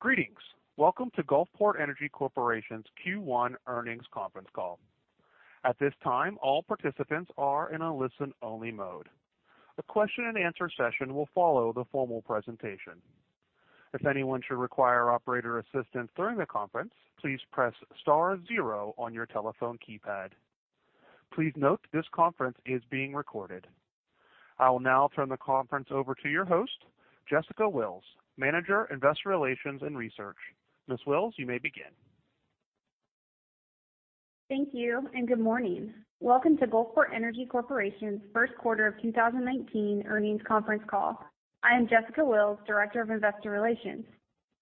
Greetings. Welcome to Gulfport Energy Corporation's Q1 earnings conference call. At this time, all participants are in a listen-only mode. A question and answer session will follow the formal presentation. If anyone should require operator assistance during the conference, please press star zero on your telephone keypad. Please note, this conference is being recorded. I will now turn the conference over to your host, Jessica Antle, Manager, Investor Relations and Research. Ms. Wills, you may begin. Thank you. Good morning. Welcome to Gulfport Energy Corporation's first quarter of 2019 earnings conference call. I am Jessica Antle, Director of Investor Relations.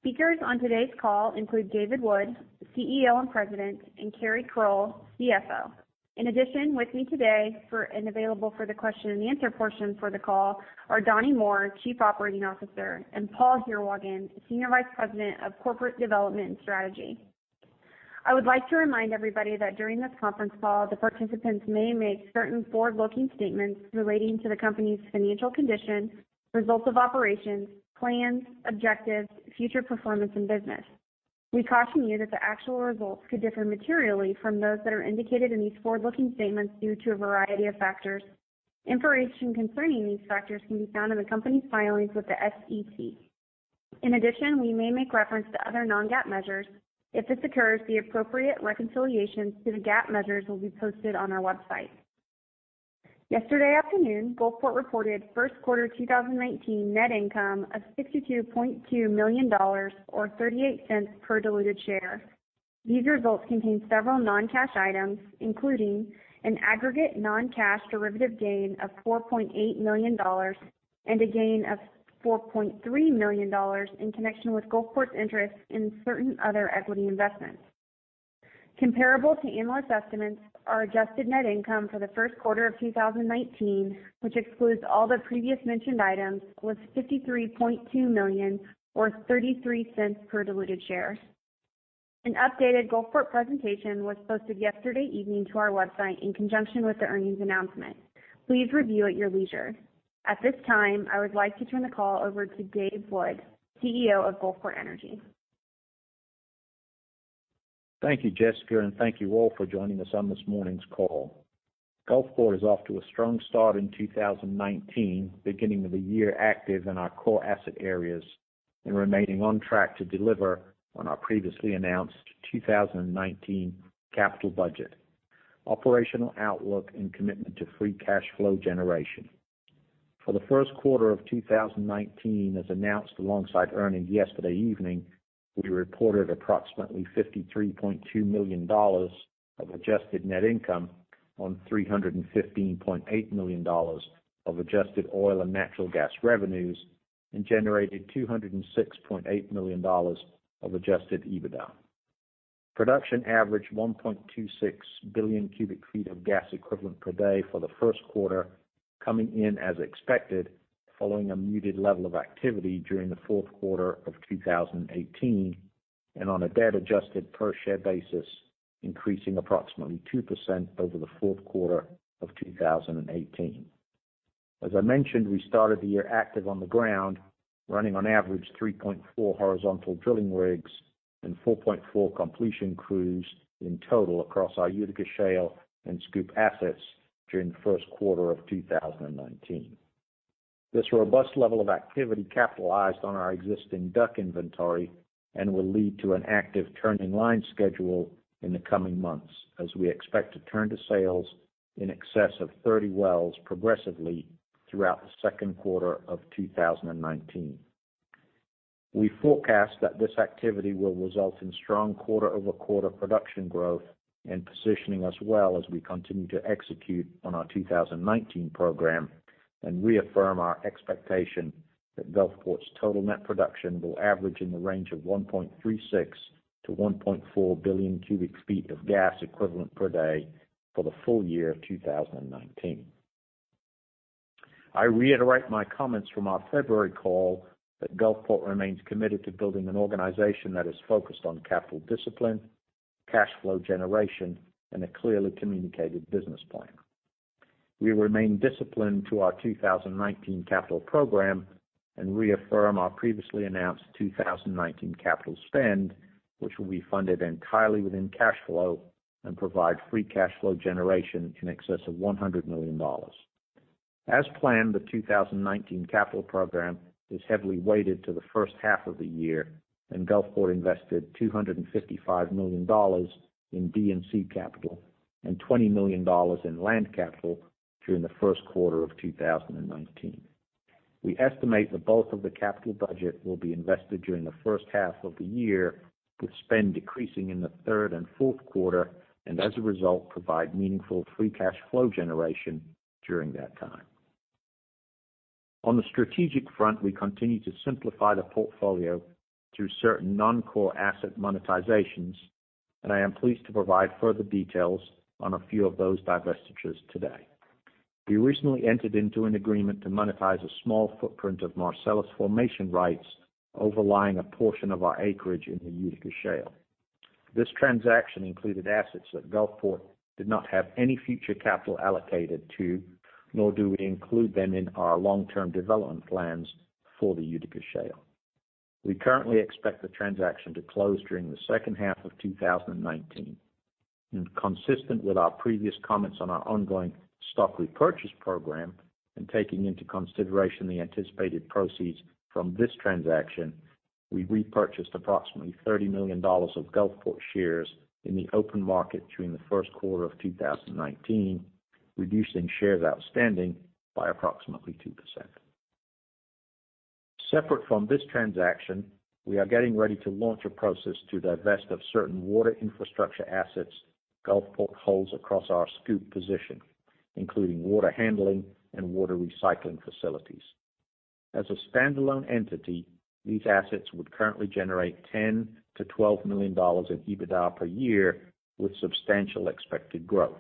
Speakers on today's call include David Wood, CEO and President, and Keri Crowell, CFO. In addition, with me today and available for the question and answer portion for the call are Donnie Moore, Chief Operating Officer, and Paul Heerwagen, Senior Vice President of Corporate Development and Strategy. I would like to remind everybody that during this conference call, the participants may make certain forward-looking statements relating to the company's financial condition, results of operations, plans, objectives, future performance, and business. We caution you that the actual results could differ materially from those that are indicated in these forward-looking statements due to a variety of factors. Information concerning these factors can be found in the company's filings with the SEC. In addition, we may make reference to other non-GAAP measures. If this occurs, the appropriate reconciliations to the GAAP measures will be posted on our website. Yesterday afternoon, Gulfport reported first quarter 2019 net income of $62.2 million, or $0.38 per diluted share. These results contain several non-cash items, including an aggregate non-cash derivative gain of $4.8 million and a gain of $4.3 million in connection with Gulfport's interest in certain other equity investments. Comparable to analyst estimates, our adjusted net income for the first quarter of 2019, which excludes all the previous mentioned items, was $53.2 million or $0.33 per diluted share. An updated Gulfport presentation was posted yesterday evening to our website in conjunction with the earnings announcement. Please review at your leisure. At this time, I would like to turn the call over to Dave Wood, CEO of Gulfport Energy. Thank you, Jessica. Thank you all for joining us on this morning's call. Gulfport is off to a strong start in 2019, beginning of the year active in our core asset areas and remaining on track to deliver on our previously announced 2019 capital budget, operational outlook, and commitment to free cash flow generation. For the first quarter of 2019, as announced alongside earnings yesterday evening, we reported approximately $53.2 million of adjusted net income on $315.8 million of adjusted oil and natural gas revenues and generated $206.8 million of adjusted EBITDA. Production averaged 1.26 billion cubic feet of gas equivalent per day for the first quarter, coming in as expected following a muted level of activity during the fourth quarter of 2018, and on a debt-adjusted per share basis, increasing approximately 2% over the fourth quarter of 2018. As I mentioned, we started the year active on the ground, running on average 3.4 horizontal drilling rigs and 4.4 completion crews in total across our Utica Shale and SCOOP assets during the first quarter of 2019. This robust level of activity capitalized on our existing DUC inventory and will lead to an active turn-in-line schedule in the coming months as we expect to turn to sales in excess of 30 wells progressively throughout the second quarter of 2019. We forecast that this activity will result in strong quarter-over-quarter production growth and positioning us well as we continue to execute on our 2019 program and reaffirm our expectation that Gulfport's total net production will average in the range of 1.36-1.4 Bcfe per day for the full year of 2019. I reiterate my comments from our February call that Gulfport remains committed to building an organization that is focused on capital discipline, cash flow generation, and a clearly communicated business plan. We remain disciplined to our 2019 capital program and reaffirm our previously announced 2019 capital spend, which will be funded entirely within cash flow and provide free cash flow generation in excess of $100 million. As planned, the 2019 capital program is heavily weighted to the first half of the year. Gulfport invested $255 million in D&C capital and $20 million in land capital during the first quarter of 2019. We estimate the bulk of the capital budget will be invested during the first half of the year, with spend decreasing in the third and fourth quarter, as a result, provide meaningful free cash flow generation during that time. On the strategic front, we continue to simplify the portfolio through certain non-core asset monetizations. I am pleased to provide further details on a few of those divestitures today. We recently entered into an agreement to monetize a small footprint of Marcellus formation rights overlying a portion of our acreage in the Utica Shale. This transaction included assets that Gulfport did not have any future capital allocated to, nor do we include them in our long-term development plans for the Utica Shale. We currently expect the transaction to close during the second half of 2019. Consistent with our previous comments on our ongoing stock repurchase program, and taking into consideration the anticipated proceeds from this transaction, we repurchased approximately $30 million of Gulfport shares in the open market during the first quarter of 2019, reducing shares outstanding by approximately 2%. Separate from this transaction, we are getting ready to launch a process to divest of certain water infrastructure assets Gulfport holds across our SCOOP position, including water handling and water recycling facilities. As a standalone entity, these assets would currently generate $10 million-$12 million in EBITDA per year, with substantial expected growth.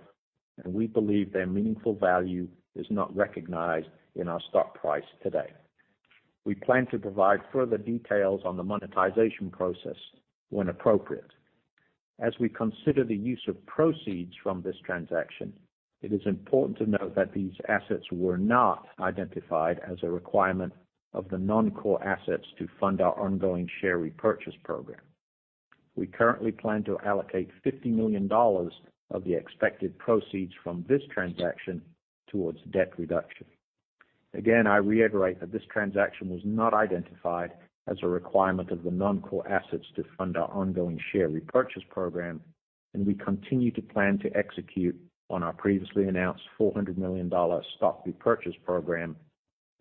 We believe their meaningful value is not recognized in our stock price today. We plan to provide further details on the monetization process when appropriate. As we consider the use of proceeds from this transaction, it is important to note that these assets were not identified as a requirement of the non-core assets to fund our ongoing share repurchase program. We currently plan to allocate $50 million of the expected proceeds from this transaction towards debt reduction. I reiterate that this transaction was not identified as a requirement of the non-core assets to fund our ongoing share repurchase program. We continue to plan to execute on our previously announced $400 million stock repurchase program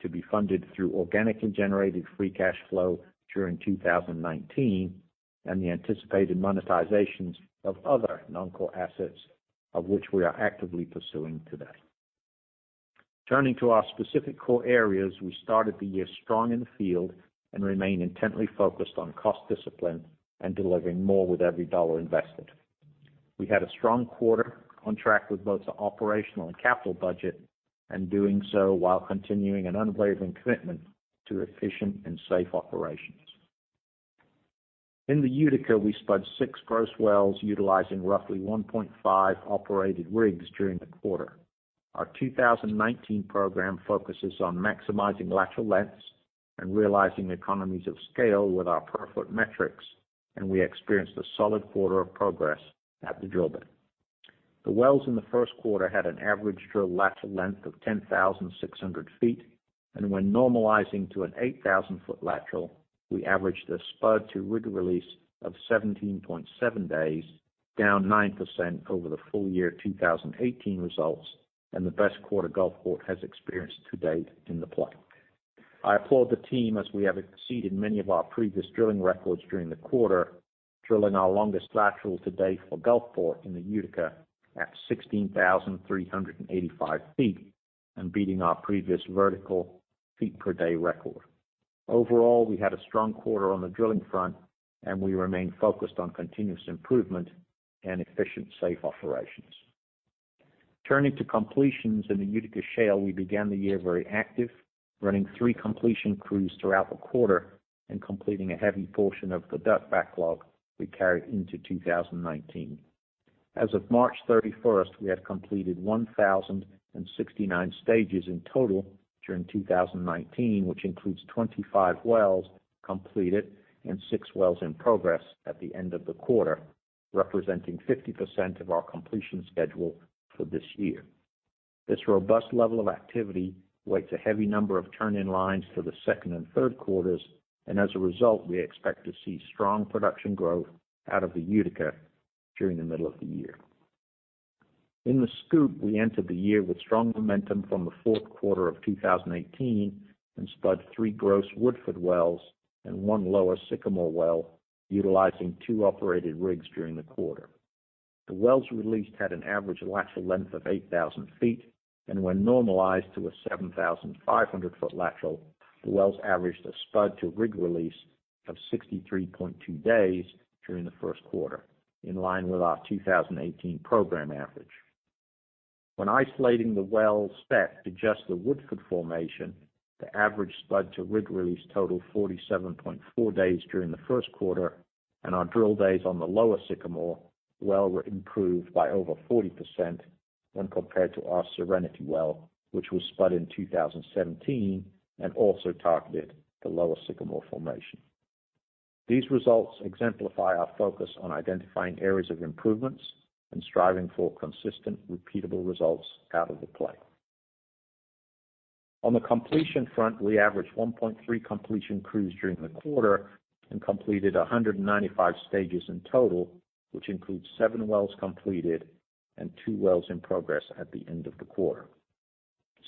to be funded through organically generated free cash flow during 2019 and the anticipated monetizations of other non-core assets of which we are actively pursuing today. Turning to our specific core areas, we started the year strong in the field and remain intently focused on cost discipline and delivering more with every dollar invested. We had a strong quarter on track with both the operational and capital budget, and doing so while continuing an unwavering commitment to efficient and safe operations. In the Utica, we spud six gross wells utilizing roughly 1.5 operated rigs during the quarter. Our 2019 program focuses on maximizing lateral lengths and realizing economies of scale with our per-foot metrics. We experienced a solid quarter of progress at the drill bit. The wells in the first quarter had an average drill lateral length of 10,600 feet, and when normalizing to an 8,000-foot lateral, we averaged a spud to rig release of 17.7 days, down 9% over the full year 2018 results and the best quarter Gulfport has experienced to date in the play. I applaud the team as we have exceeded many of our previous drilling records during the quarter, drilling our longest lateral to date for Gulfport in the Utica at 16,385 feet and beating our previous vertical feet per day record. Overall, we had a strong quarter on the drilling front. We remain focused on continuous improvement and efficient, safe operations. Turning to completions in the Utica Shale, we began the year very active, running three completion crews throughout the quarter and completing a heavy portion of the DUC backlog we carried into 2019. As of March 31st, we have completed 1,069 stages in total during 2019, which includes 25 wells completed and six wells in progress at the end of the quarter, representing 50% of our completion schedule for this year. This robust level of activity weights a heavy number of turn-in-line for the second and third quarters. As a result, we expect to see strong production growth out of the Utica during the middle of the year. In the SCOOP, we entered the year with strong momentum from the fourth quarter of 2018. We spud three gross Woodford wells and one Lower Sycamore well, utilizing two operated rigs during the quarter. The wells released had an average lateral length of 8,000 feet. When normalized to a 7,500-foot lateral, the wells averaged a spud to rig release of 63.2 days during the first quarter, in line with our 2018 program average. When isolating the well spec to just the Woodford formation, the average spud to rig release totaled 47.4 days during the first quarter. Our drill days on the Lower Sycamore Well were improved by over 40% when compared to our Serenity well, which was spud in 2017 and also targeted the Lower Sycamore formation. These results exemplify our focus on identifying areas of improvements and striving for consistent, repeatable results out of the play. On the completion front, we averaged 1.3 completion crews during the quarter and completed 195 stages in total, which includes seven wells completed and two wells in progress at the end of the quarter.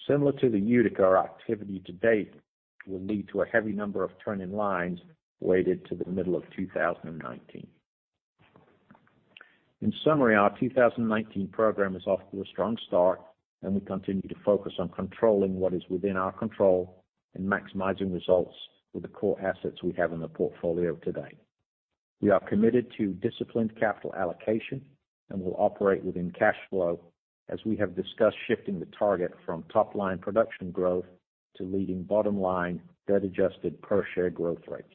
Similar to the Utica, our activity to date will lead to a heavy number of turn-in-line weighted to the middle of 2019. In summary, our 2019 program is off to a strong start, and we continue to focus on controlling what is within our control and maximizing results with the core assets we have in the portfolio today. We are committed to disciplined capital allocation and will operate within cash flow, as we have discussed shifting the target from top-line production growth to leading bottom line debt-adjusted per share growth rates.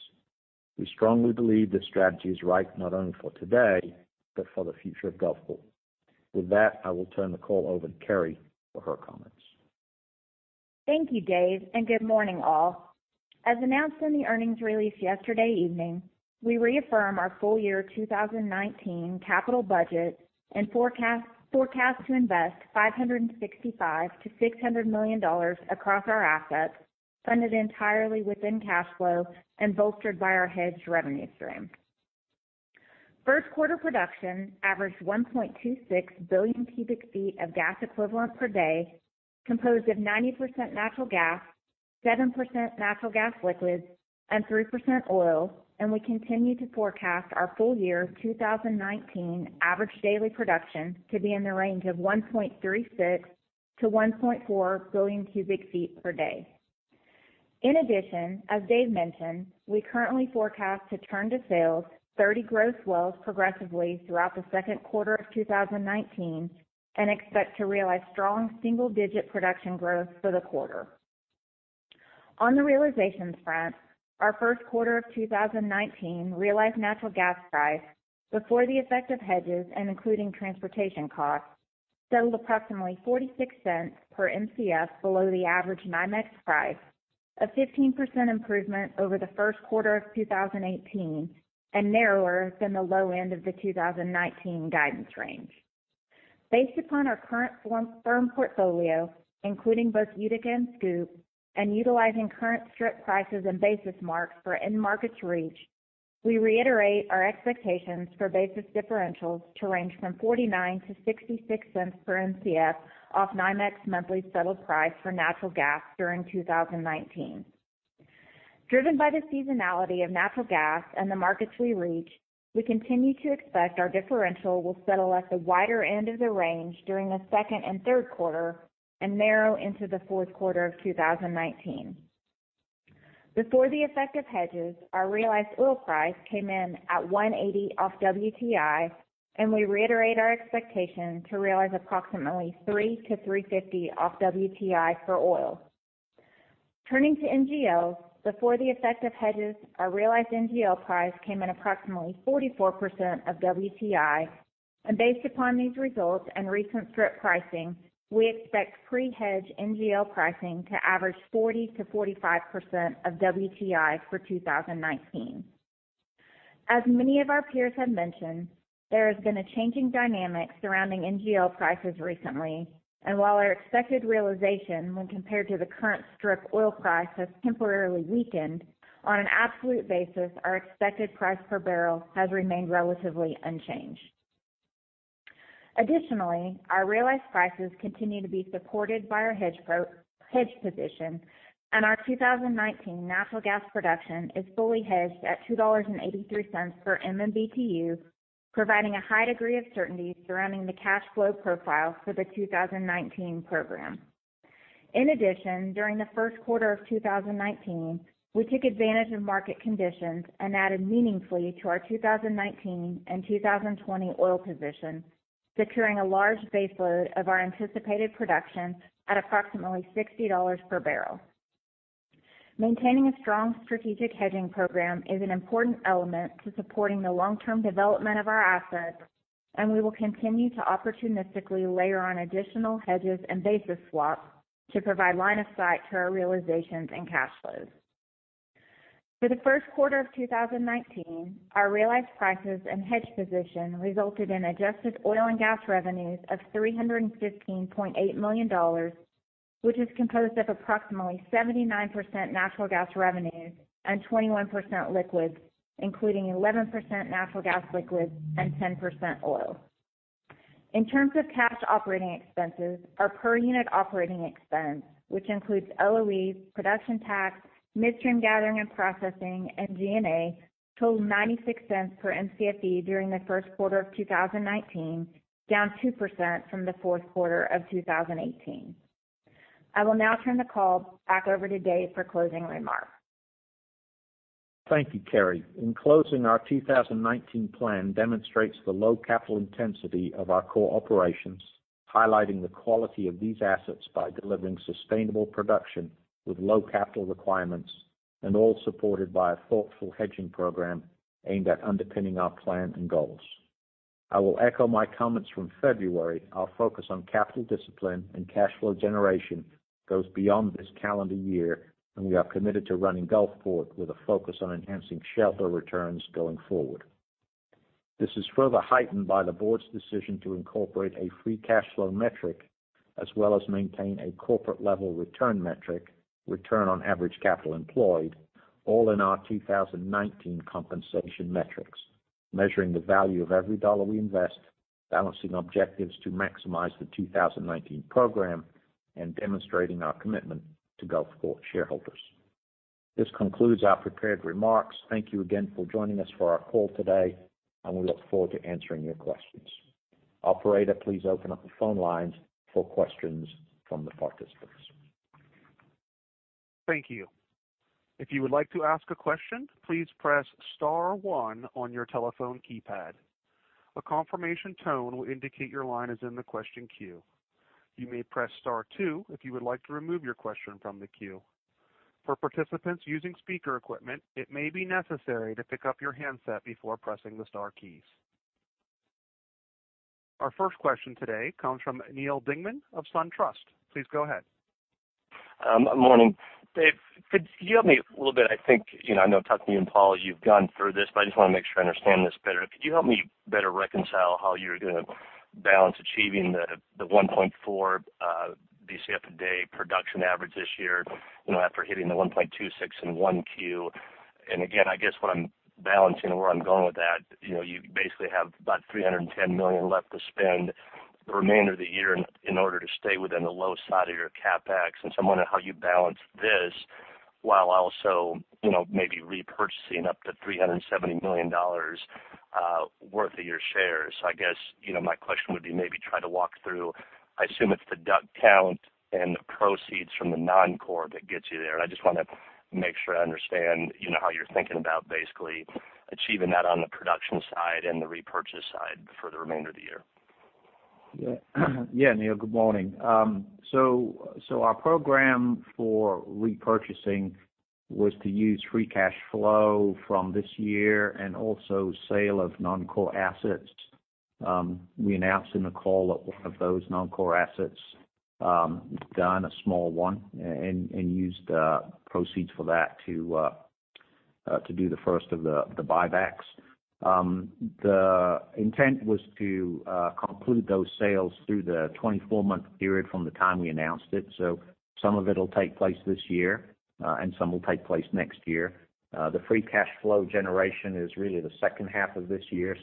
We strongly believe this strategy is right not only for today, but for the future of Gulfport. With that, I will turn the call over to Keri for her comments. Thank you, Dave, and good morning all. As announced in the earnings release yesterday evening, we reaffirm our full year 2019 capital budget and forecast to invest $565 million-$600 million across our assets, funded entirely within cash flow and bolstered by our hedged revenue stream. First quarter production averaged 1.26 billion cubic feet of gas equivalent per day, composed of 90% natural gas, 7% natural gas liquids, and 3% oil, and we continue to forecast our full year 2019 average daily production to be in the range of 1.36 billion-1.4 billion cubic feet per day. In addition, as Dave mentioned, we currently forecast to turn to sales 30 gross wells progressively throughout the second quarter of 2019 and expect to realize strong single-digit production growth for the quarter. On the realizations front, our first quarter of 2019 realized natural gas price before the effect of hedges and including transportation costs settled approximately $0.46 per Mcf below the average NYMEX price, a 15% improvement over the first quarter of 2018, and narrower than the low end of the 2019 guidance range. Based upon our current firm portfolio, including both Utica and SCOOP, and utilizing current strip prices and basis marks for end markets reach, we reiterate our expectations for basis differentials to range from $0.49-$0.66 per Mcf off NYMEX monthly settled price for natural gas during 2019. Driven by the seasonality of natural gas and the markets we reach, we continue to expect our differential will settle at the wider end of the range during the second and third quarter and narrow into the fourth quarter of 2019. Before the effect of hedges, our realized oil price came in at $1.80 off WTI, and we reiterate our expectation to realize approximately $3-$3.50 off WTI for oil. Turning to NGL, before the effect of hedges, our realized NGL price came in approximately 44% of WTI, and based upon these results and recent strip pricing, we expect pre-hedge NGL pricing to average 40%-45% of WTI for 2019. As many of our peers have mentioned, there has been a changing dynamic surrounding NGL prices recently, and while our expected realization when compared to the current strip oil price has temporarily weakened, on an absolute basis, our expected price per barrel has remained relatively unchanged. Our realized prices continue to be supported by our hedge position, and our 2019 natural gas production is fully hedged at $2.83 per MMBtu, providing a high degree of certainty surrounding the cash flow profile for the 2019 program. During the first quarter of 2019, we took advantage of market conditions and added meaningfully to our 2019 and 2020 oil position, securing a large baseload of our anticipated production at approximately $60 per barrel. Maintaining a strong strategic hedging program is an important element to supporting the long-term development of our assets, and we will continue to opportunistically layer on additional hedges and basis swaps to provide line of sight to our realizations and cash flows. For the first quarter of 2019, our realized prices and hedge position resulted in adjusted oil and gas revenues of $315.8 million, which is composed of approximately 79% natural gas revenues and 21% liquids, including 11% natural gas liquids and 10% oil. In terms of cash operating expenses, our per unit operating expense, which includes O&M, production tax, midstream gathering and processing, and G&A, totaled $0.96 per Mcfe during the first quarter of 2019, down 2% from the fourth quarter of 2018. I will now turn the call back over to Dave for closing remarks. Thank you, Keri. Our 2019 plan demonstrates the low capital intensity of our core operations, highlighting the quality of these assets by delivering sustainable production with low capital requirements and all supported by a thoughtful hedging program aimed at underpinning our plan and goals. I will echo my comments from February. Our focus on capital discipline and cash flow generation goes beyond this calendar year, and we are committed to running Gulfport with a focus on enhancing shareholder returns going forward. This is further heightened by the board's decision to incorporate a free cash flow metric, as well as maintain a corporate-level return metric, return on average capital employed, all in our 2019 compensation metrics, measuring the value of every dollar we invest, balancing objectives to maximize the 2019 program, and demonstrating our commitment to Gulfport shareholders. This concludes our prepared remarks. Thank you again for joining us for our call today, and we look forward to answering your questions. Operator, please open up the phone lines for questions from the participants. Thank you If you would like to ask a question, please press star one on your telephone keypad. A confirmation tone will indicate your line is in the question queue. You may press star two if you would like to remove your question from the queue. For participants using speaker equipment, it may be necessary to pick up your handset before pressing the star keys. Our first question today comes from Neal Dingman of SunTrust. Please go ahead. Morning. Dave, could you help me a little bit, I think I know talking to you and Paul, you've gone through this, but I just want to make sure I understand this better. Could you help me better reconcile how you're going to balance achieving the 1.4 Bcfe/day production average this year after hitting the 1.26 in 1Q? Again, I guess what I'm balancing or where I'm going with that, you basically have about $310 million left to spend the remainder of the year in order to stay within the low side of your CapEx. So I'm wondering how you balance this while also maybe repurchasing up to $370 million worth of your shares. I guess, my question would be maybe try to walk through, I assume it's the DUC count and the proceeds from the non-core that gets you there. I just want to make sure I understand how you're thinking about basically achieving that on the production side and the repurchase side for the remainder of the year. Yeah. Yeah, Neil, good morning. Our program for repurchasing was to use free cash flow from this year and also sale of non-core assets. We announced in the call that one of those non-core assets, done a small one, and used the proceeds for that to do the first of the buybacks. The intent was to conclude those sales through the 24-month period from the time we announced it. Some of it'll take place this year, and some will take place next year. The free cash flow generation is really the second half of this year,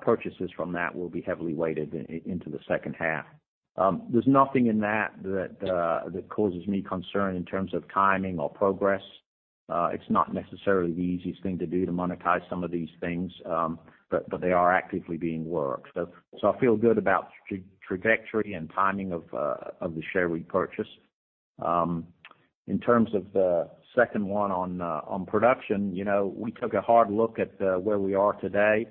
purchases from that will be heavily weighted into the second half. There's nothing in that causes me concern in terms of timing or progress. It's not necessarily the easiest thing to do to monetize some of these things, but they are actively being worked. I feel good about trajectory and timing of the share repurchase. In terms of the second one on production, we took a hard look at where we are today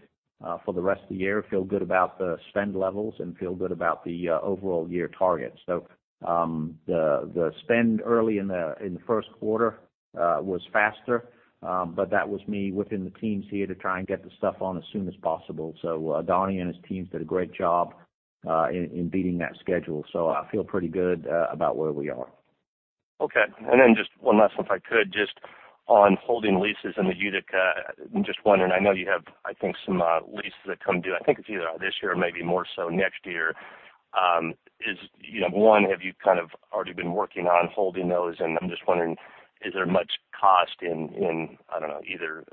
for the rest of the year, feel good about the spend levels, and feel good about the overall year target. The spend early in the first quarter was faster. That was me whipping the teams here to try and get the stuff on as soon as possible. Donnie and his teams did a great job in beating that schedule. I feel pretty good about where we are. Okay. Just one last one if I could, just on holding leases in the Utica. I'm just wondering, I know you have, I think some leases that come due, I think it's either this year or maybe more so next year. One, have you kind of already been working on holding those? I'm just wondering, is there much cost in, I don't know, either,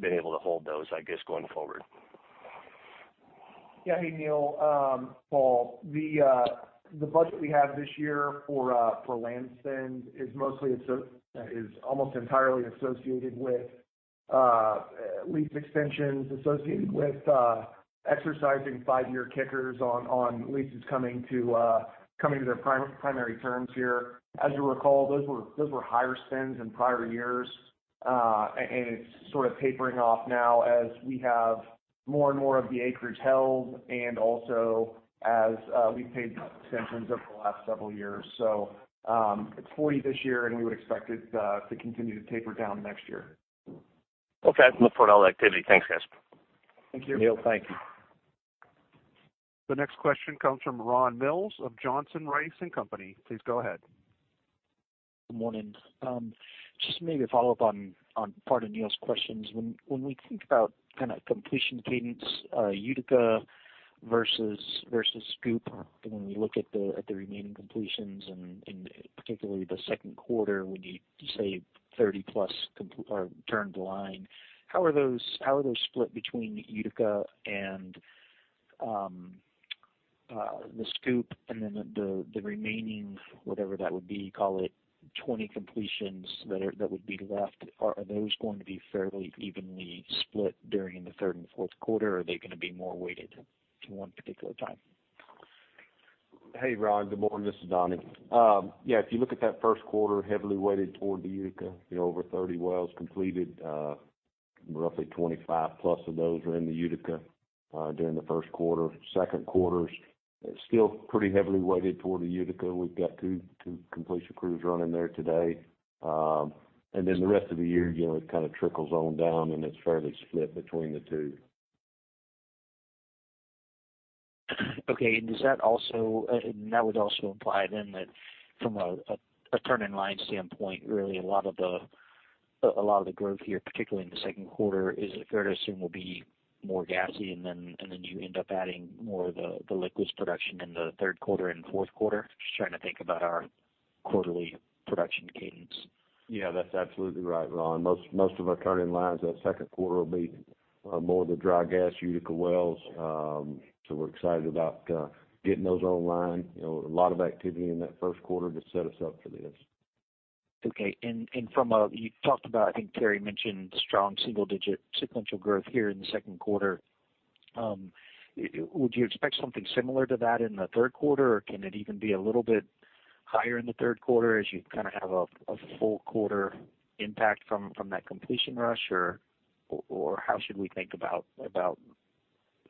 being able to hold those, I guess, going forward? Yeah. Hey, Neil, Paul. The budget we have this year for land spend is almost entirely associated with lease extensions, associated with exercising five-year kickers on leases coming to their primary terms here. As you'll recall, those were higher spends in prior years. It's sort of tapering off now as we have more and more of the acreage held and also as we've paid those extensions over the last several years. It's 40 this year, and we would expect it to continue to taper down next year. Okay. Look for all the activity. Thanks, guys. Thank you. Neal, thank you. The next question comes from Ron Mills of Johnson Rice & Company. Please go ahead. Good morning. Just maybe a follow-up on part of Neal's questions. When we think about kind of completion cadence, Utica versus Scoop, and when we look at the remaining completions and particularly the second quarter, when you say 30+ turn-in-line, how are those split between Utica and the Scoop? The remaining, whatever that would be, call it 20 completions that would be left. Are those going to be fairly evenly split during the third and fourth quarter? Or are they going to be more weighted to one particular time? Hey, Ron. Good morning. This is Donnie. Yeah, if you look at that first quarter, heavily weighted toward the Utica. Over 30 wells completed, roughly 25+ of those are in the Utica during the first quarter. Second quarter's still pretty heavily weighted toward the Utica. We've got two completion crews running there today. The rest of the year, it kind of trickles on down, and it's fairly split between the two. Okay. That would also imply then that from a turn-in-line standpoint, really a lot of the growth here, particularly in the second quarter, is it fair to assume will be more gassy and then you end up adding more of the liquids production in the third quarter and fourth quarter? Just trying to think about our quarterly production cadence. Yeah, that's absolutely right, Ron. Most of our turn-in-line that second quarter will be more of the dry gas Utica wells. We're excited about getting those online. A lot of activity in that first quarter to set us up for this. Okay. You talked about, I think Keri mentioned strong single-digit sequential growth here in the second quarter. Would you expect something similar to that in the third quarter, or can it even be a little bit higher in the third quarter as you have a full quarter impact from that completion rush? How should we think about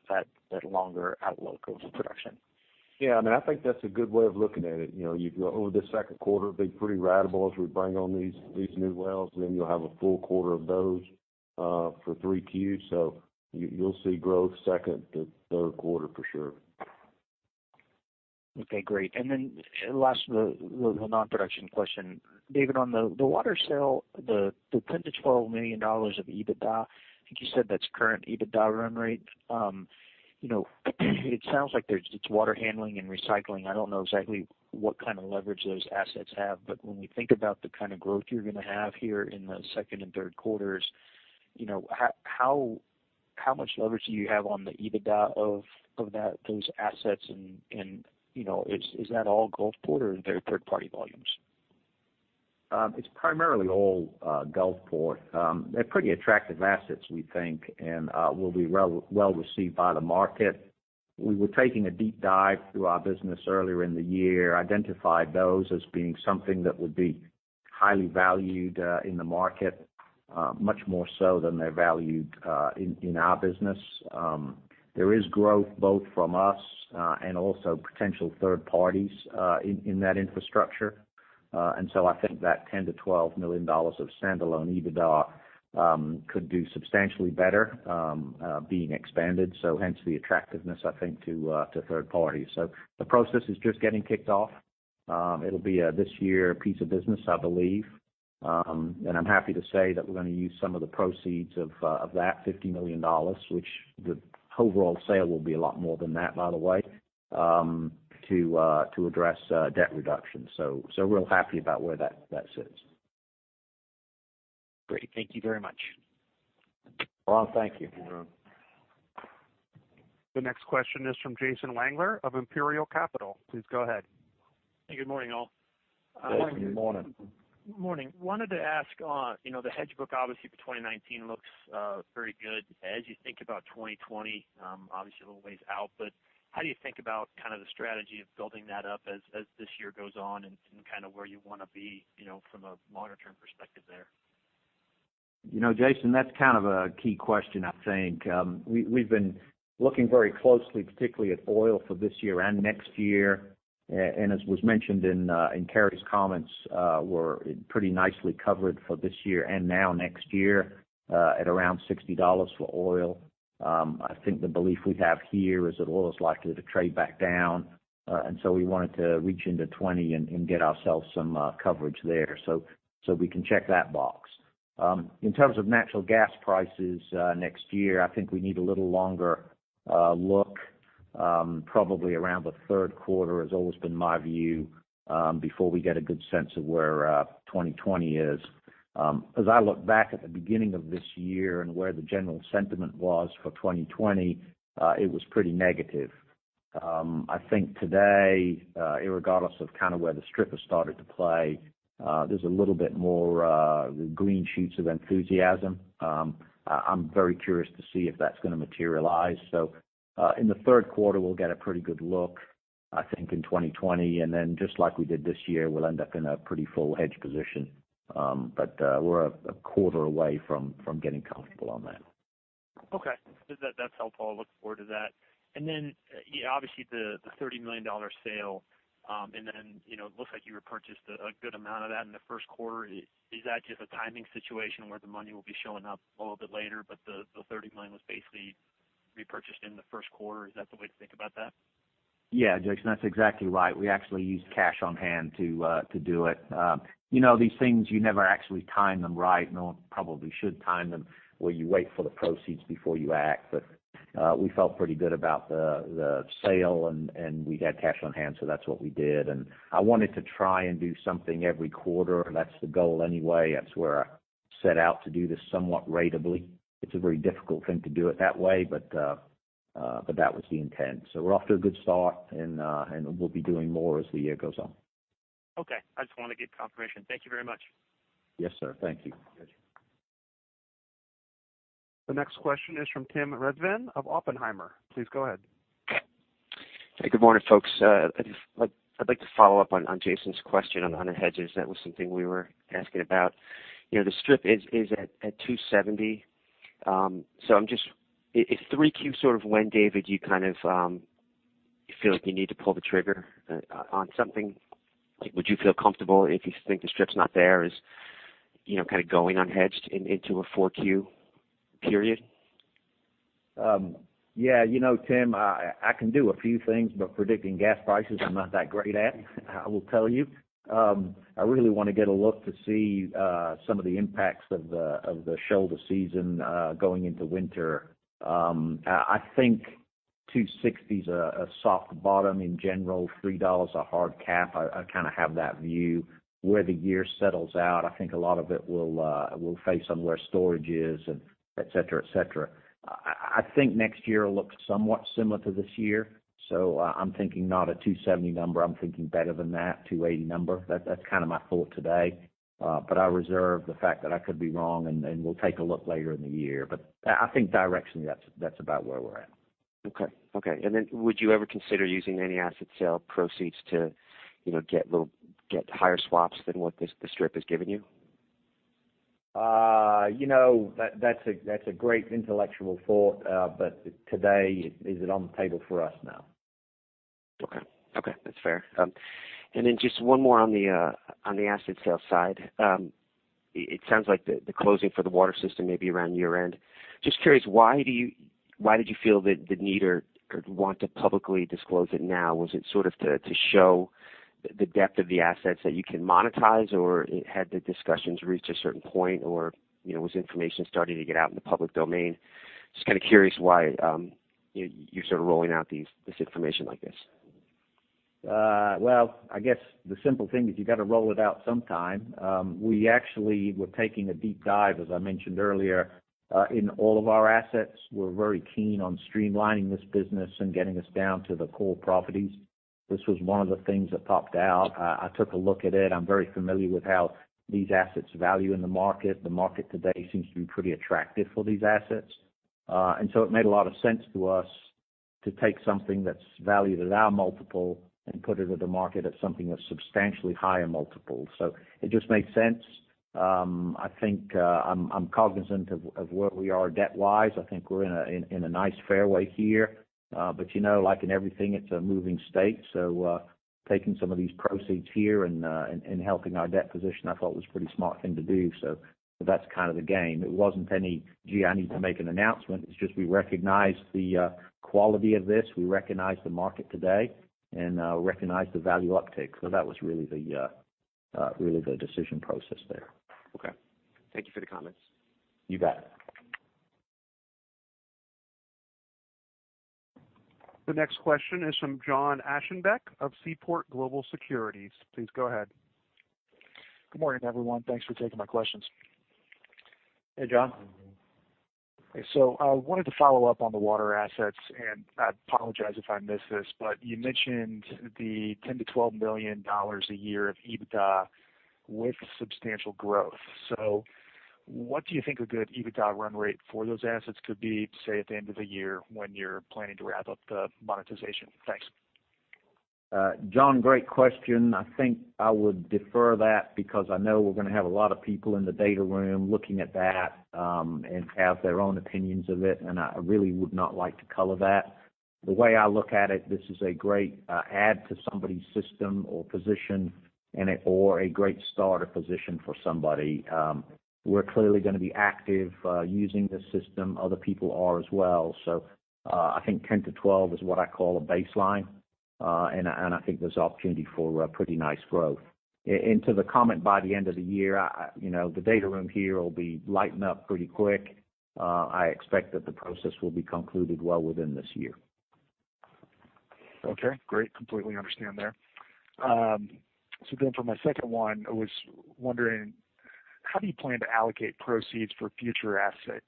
that longer outlook of production? Yeah, I think that's a good way of looking at it. You've got over the second quarter, be pretty ratable as we bring on these new wells, and then you'll have a full quarter of those for 3Q. You'll see growth second to third quarter for sure. Okay, great. Last, the non-production question. David, on the water sale, the $10 million-$12 million of EBITDA, I think you said that's current EBITDA run rate. It sounds like it's water handling and recycling. I don't know exactly what kind of leverage those assets have, but when we think about the kind of growth you're going to have here in the second and third quarters, how much leverage do you have on the EBITDA of those assets, and is that all Gulfport or are there third-party volumes? It's primarily all Gulfport. They're pretty attractive assets, we think, and will be well received by the market. We were taking a deep dive through our business earlier in the year, identified those as being something that would be highly valued in the market, much more so than they're valued in our business. There is growth both from us and also potential third parties in that infrastructure. I think that $10 million-$12 million of standalone EBITDA could do substantially better being expanded, hence the attractiveness, I think, to third parties. The process is just getting kicked off. It'll be a this year piece of business, I believe. I'm happy to say that we're going to use some of the proceeds of that $50 million, which the overall sale will be a lot more than that, by the way, to address debt reduction. Real happy about where that sits. Great. Thank you very much. Ron, thank you. You're welcome. The next question is from Jason Wangler of Imperial Capital. Please go ahead. Good morning, all. Good morning. Morning. Wanted to ask, the hedge book, obviously, for 2019 looks very good. As you think about 2020, obviously, a little ways out, how do you think about the strategy of building that up as this year goes on and where you want to be from a longer-term perspective there? Jason, that's kind of a key question, I think. We've been looking very closely, particularly at oil for this year and next year. As was mentioned in Keri's comments, we're pretty nicely covered for this year and now next year at around $60 for oil. I think the belief we have here is that oil is likely to trade back down, and so we wanted to reach into 2020 and get ourselves some coverage there. We can check that box. In terms of natural gas prices next year, I think we need a little longer look probably around the third quarter, has always been my view, before we get a good sense of where 2020 is. As I look back at the beginning of this year and where the general sentiment was for 2020, it was pretty negative. I think today, regardless of where the strip has started to play, there's a little bit more green shoots of enthusiasm. I'm very curious to see if that's going to materialize. In the third quarter, we'll get a pretty good look, I think, in 2020, and then just like we did this year, we'll end up in a pretty full hedge position. We're a quarter away from getting comfortable on that. Okay. That's helpful. Look forward to that. Obviously the $30 million sale, and then it looks like you repurchased a good amount of that in the first quarter. Is that just a timing situation where the money will be showing up a little bit later, but the $30 million was basically repurchased in the first quarter? Is that the way to think about that? Yeah, Jason, that's exactly right. We actually used cash on hand to do it. These things, you never actually time them right. No one probably should time them where you wait for the proceeds before you act, but we felt pretty good about the sale, and we had cash on hand, so that's what we did. I wanted to try and do something every quarter. That's the goal anyway. That's where I set out to do this somewhat ratably. It's a very difficult thing to do it that way, but that was the intent. We're off to a good start, and we'll be doing more as the year goes on. Okay. I just wanted to get confirmation. Thank you very much. Yes, sir. Thank you. The next question is from Tim Rezvan of Oppenheimer. Please go ahead. Hey, good morning, folks. I'd like to follow up on Jason's question on the hedges. That was something we were asking about. The strip is at $2.70. Is 3Q sort of when, David, you kind of feel like you need to pull the trigger on something? Would you feel comfortable if you think the strip's not there, is kind of going unhedged into a 4Q period? Yeah, Tim, I can do a few things. Predicting gas prices, I'm not that great at, I will tell you. I really want to get a look to see some of the impacts of the shoulder season going into winter. I think 260 is a soft bottom in general, $3 a hard cap. I kind of have that view. Where the year settles out, I think a lot of it will face on where storage is, et cetera. I think next year will look somewhat similar to this year. I'm thinking not a 270 number. I'm thinking better than that, 280 number. That's kind of my thought today. I reserve the fact that I could be wrong, and we'll take a look later in the year. I think directionally that's about where we're at. Okay. Would you ever consider using any asset sale proceeds to get higher swaps than what the strip has given you? That's a great intellectual thought. Today, is it on the table for us? No. Okay. That's fair. Just one more on the asset sales side. It sounds like the closing for the water system may be around year-end. Just curious, why did you feel the need or want to publicly disclose it now? Was it to show the depth of the assets that you can monetize, or had the discussions reached a certain point, or was information starting to get out in the public domain? Just curious why you're rolling out this information like this. Well, I guess the simple thing is you've got to roll it out sometime. We actually were taking a deep dive, as I mentioned earlier, in all of our assets. We're very keen on streamlining this business and getting us down to the core properties. This was one of the things that popped out. I took a look at it. I'm very familiar with how these assets value in the market. The market today seems to be pretty attractive for these assets. It made a lot of sense to us to take something that's valued at our multiple and put it with a market at something that's substantially higher multiple. It just made sense. I think I'm cognizant of where we are debt-wise. I think we're in a nice fairway here. Like in everything, it's a moving state. Taking some of these proceeds here and helping our debt position, I thought was pretty smart thing to do. That's kind of the game. It wasn't any, "Gee, I need to make an announcement." It's just we recognize the quality of this. We recognize the market today and recognize the value uptick. That was really the decision process there. Okay. Thank you for the comments. You bet. The next question is from John Ashenbeck of Seaport Global Securities. Please go ahead. Good morning, everyone. Thanks for taking my questions. Hey, John. I wanted to follow up on the water assets, and I apologize if I missed this, but you mentioned the $10 million-$12 million a year of EBITDA with substantial growth. What do you think a good EBITDA run rate for those assets could be, say, at the end of the year when you're planning to wrap up the monetization? Thanks. John, great question. I think I would defer that because I know we're going to have a lot of people in the data room looking at that, and have their own opinions of it, and I really would not like to color that. The way I look at it, this is a great add to somebody's system or position, and/or a great starter position for somebody. We're clearly going to be active using this system. Other people are as well. I think 10 to 12 is what I call a baseline. I think there's opportunity for pretty nice growth. To the comment by the end of the year, the data room here will be lighting up pretty quick. I expect that the process will be concluded well within this year. Okay, great. Completely understand there. For my second one, I was wondering, how do you plan to allocate proceeds for future asset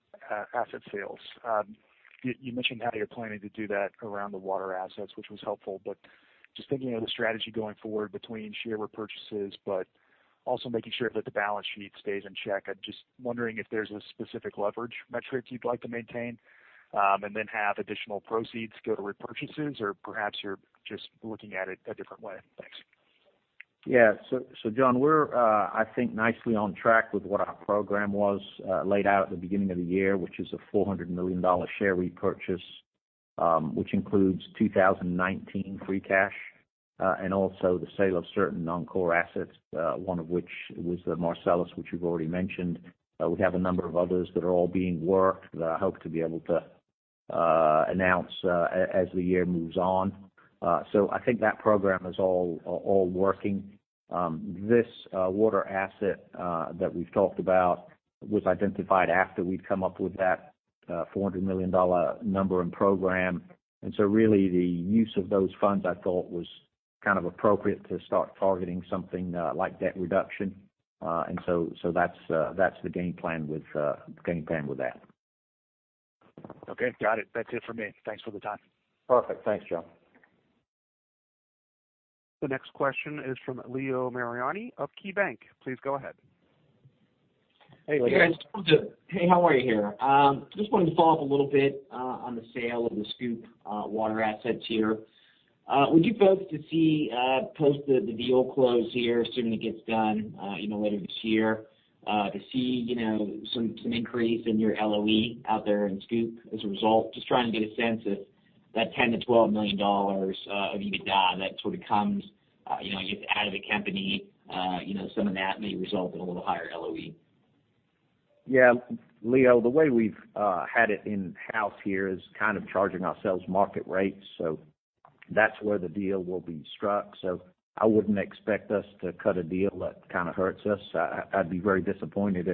sales? You mentioned how you're planning to do that around the water assets, which was helpful, but just thinking of the strategy going forward between share repurchases, but also making sure that the balance sheet stays in check. I'm just wondering if there's a specific leverage metric you'd like to maintain, and then have additional proceeds go to repurchases, or perhaps you're just looking at it a different way. Thanks. Yeah. John, we're nicely on track with what our program was laid out at the beginning of the year, which is a $400 million share repurchase, which includes 2019 free cash, and also the sale of certain non-core assets, one of which was the Marcellus, which we've already mentioned. We have a number of others that are all being worked, that I hope to be able to announce as the year moves on. I think that program is all working. This water asset that we've talked about was identified after we'd come up with that $400 million number and program. Really the use of those funds, I thought, was kind of appropriate to start targeting something like debt reduction. That's the game plan with that. Okay. Got it. That's it for me. Thanks for the time. Perfect. Thanks, John. The next question is from Leo Mariani of KeyBank. Please go ahead. Hey, Leo. Hey, guys. Hey, how are you here? Just wanted to follow up a little bit on the sale of the SCOOP water assets here. Would you folks to see post the deal close here as soon as it gets done later this year to see some increase in your LOE out there in SCOOP as a result? Just trying to get a sense if that $10 million-$12 million of EBITDA that sort of comes out of the company some of that may result in a little higher LOE. Yeah. Leo, the way we've had it in-house here is kind of charging ourselves market rates. That's where the deal will be struck. I wouldn't expect us to cut a deal that kind of hurts us. I'd be very disappointed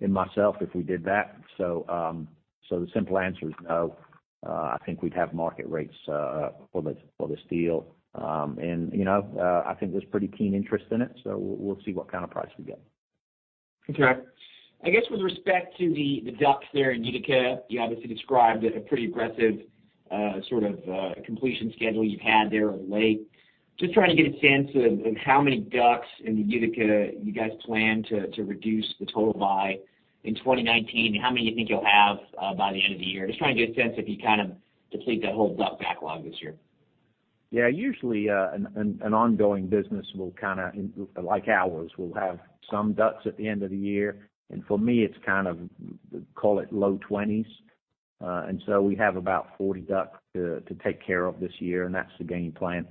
in myself if we did that. The simple answer is no. I think we'd have market rates for this deal. I think there's pretty keen interest in it, we'll see what kind of price we get. Okay. I guess with respect to the DUCs there in Utica, you obviously described it a pretty aggressive sort of completion schedule you've had there of late. Just trying to get a sense of how many DUCs in the Utica you guys plan to reduce the total by in 2019, and how many you think you'll have by the end of the year. Just trying to get a sense if you kind of deplete that whole DUC backlog this year. Yeah. Usually, an ongoing business like ours will have some DUCs at the end of the year. For me, it's call it low 20s. We have about 40 DUCs to take care of this year, and that's the game plan.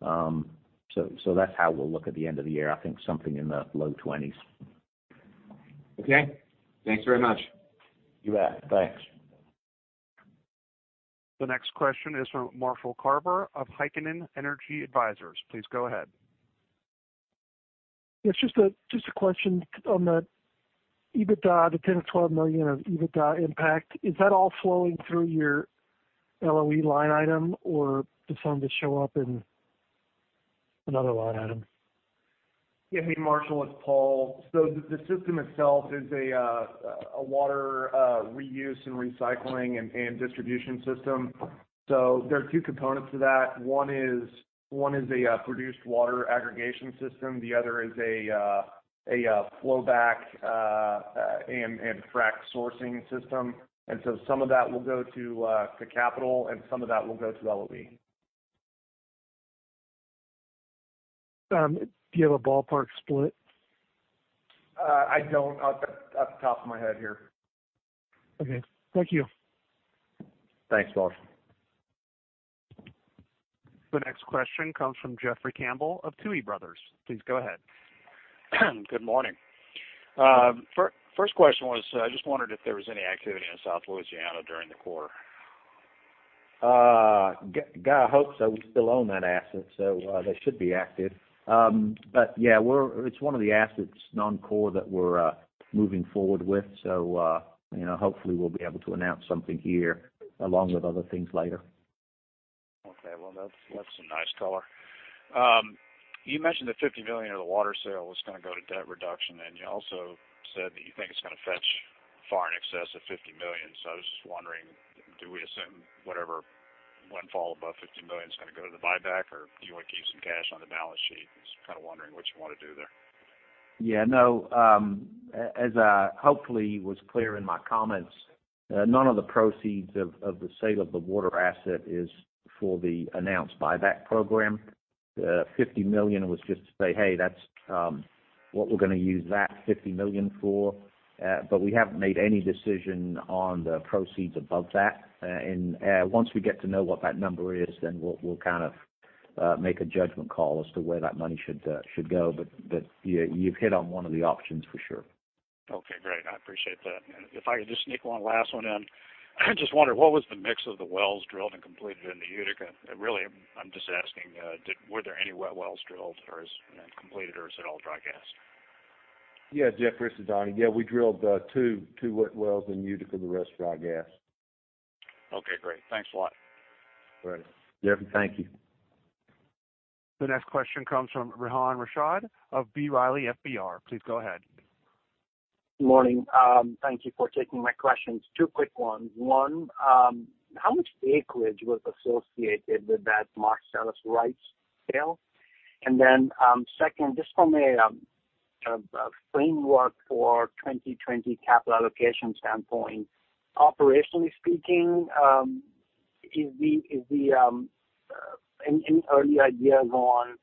That's how we'll look at the end of the year. I think something in the low 20s. Okay. Thanks very much. You bet. Thanks. The next question is from Marshall Carver of Heikkinen Energy Advisors. Please go ahead. Yes, just a question on the EBITDA, the $10 million-$12 million of EBITDA impact. Is that all flowing through your LOE line item, or does some of it show up in another line item? Yeah. Hey, Marshall, it's Paul. The system itself is a water reuse and recycling and distribution system. There are two components to that. One is a produced water aggregation system, the other is a flowback and frack sourcing system. Some of that will go to capital and some of that will go to LOE. Do you have a ballpark split? I don't off the top of my head here. Okay. Thank you. Thanks, Marshall. The next question comes from Jeffrey Campbell of Tuohy Brothers. Please go ahead. Good morning. First question was, I just wondered if there was any activity in South Louisiana during the quarter. I hope so. We still own that asset, so they should be active. Yeah, it's one of the assets, non-core, that we're moving forward with. Hopefully we'll be able to announce something here along with other things later. Okay. Well, that's some nice color. You mentioned that $50 million of the water sale was going to go to debt reduction. You also said that you think it's going to fetch far in excess of $50 million. I was just wondering, do we assume whatever went far above $50 million is going to go to the buyback, or do you want to keep some cash on the balance sheet? Just kind of wondering what you want to do there. Yeah, no. As I hopefully was clear in my comments, none of the proceeds of the sale of the water asset is for the announced buyback program. The $50 million was just to say, hey, that's what we're going to use that $50 million for. We haven't made any decision on the proceeds above that. Once we get to know what that number is, we'll make a judgment call as to where that money should go. You've hit on one of the options for sure. Okay, great. I appreciate that. If I could just sneak one last one in. I just wondered, what was the mix of the wells drilled and completed in the Utica? Really, I'm just asking, were there any wet wells drilled or is completed or is it all dry gas? Yeah, Jeffrey, this is Donnie. Yeah, we drilled two wet wells in Utica. The rest are dry gas. Okay, great. Thanks a lot. Great. Jeffrey, thank you. The next question comes from Rehan Rashid of B. Riley FBR. Please go ahead. Good morning. Thank you for taking my questions. Two quick ones. One, how much acreage was associated with that Marcellus rights sale? Second, just from a framework for 2020 capital allocation standpoint, operationally speaking, any early ideas on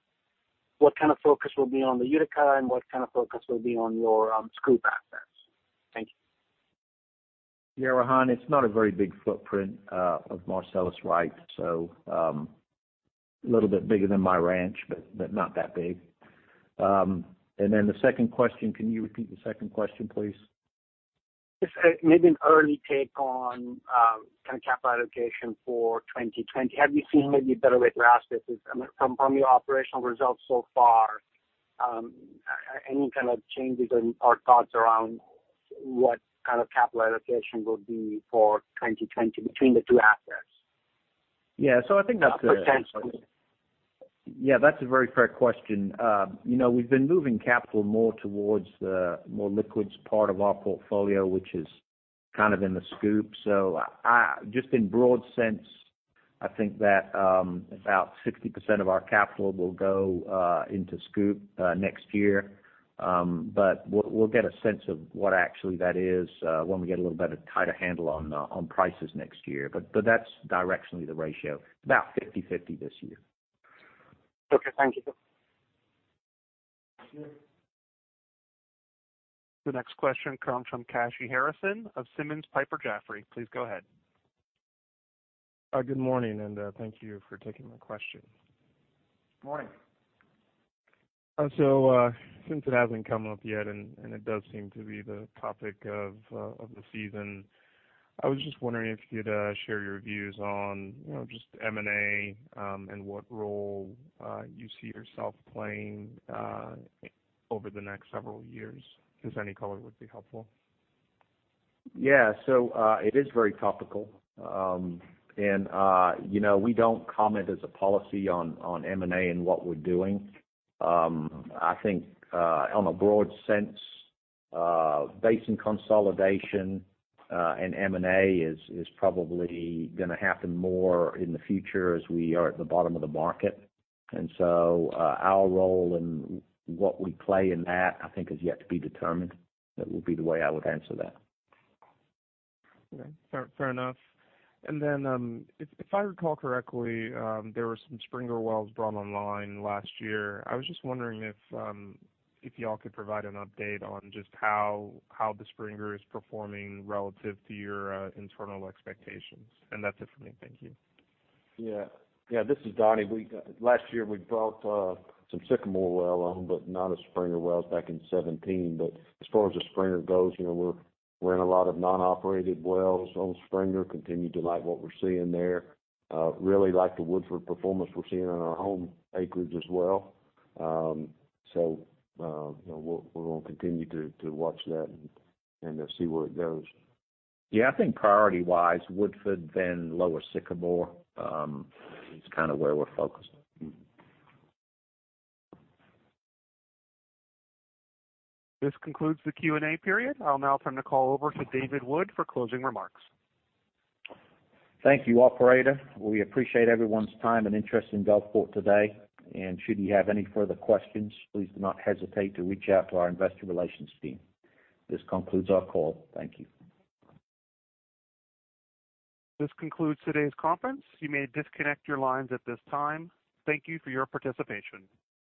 what kind of focus will be on the Utica and what kind of focus will be on your Scoop assets? Thank you. Yeah, Rehan, it's not a very big footprint of Marcellus rights. A little bit bigger than my ranch, but not that big. The second question, can you repeat the second question, please? Just maybe an early take on capital allocation for 2020. Have you seen maybe a better way to ask this is from your operational results so far, any kind of changes in our thoughts around what kind of capital allocation will be for 2020 between the two assets? Yeah. I think that's a- Potentially. Yeah, that's a very fair question. We've been moving capital more towards the more liquids part of our portfolio, which is kind of in the SCOOP. Just in broad sense, I think that about 60% of our capital will go into SCOOP next year. We'll get a sense of what actually that is when we get a little bit of tighter handle on prices next year. That's directionally the ratio, about 50/50 this year. Okay. Thank you. The next question comes from Kashy Harrison of Simmons Piper Jaffray. Please go ahead. Good morning. Thank you for taking my question. Morning. Since it hasn't come up yet, and it does seem to be the topic of the season, I was just wondering if you'd share your views on just M&A and what role you see yourself playing over the next several years, because any color would be helpful. Yeah. It is very topical. We don't comment as a policy on M&A and what we're doing. I think, on a broad sense, basin consolidation and M&A is probably going to happen more in the future as we are at the bottom of the market. Our role and what we play in that, I think, is yet to be determined. That would be the way I would answer that. Okay. Fair enough. Then, if I recall correctly, there were some Springer wells brought online last year. I was just wondering if y'all could provide an update on just how the Springer is performing relative to your internal expectations. That's it for me. Thank you. Yeah. This is Donnie. Last year we brought some Sycamore well on, but not a Springer wells back in 2017. As far as the Springer goes, we're in a lot of non-operated wells on Springer, continue to like what we're seeing there. Really like the Woodford performance we're seeing on our home acreage as well. We're going to continue to watch that and see where it goes. Yeah, I think priority-wise, Woodford, then lower Sycamore, is kind of where we're focused. This concludes the Q&A period. I'll now turn the call over to David Wood for closing remarks. Thank you, operator. We appreciate everyone's time and interest in Gulfport today. Should you have any further questions, please do not hesitate to reach out to our investor relations team. This concludes our call. Thank you. This concludes today's conference. You may disconnect your lines at this time. Thank you for your participation.